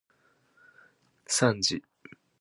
さんじ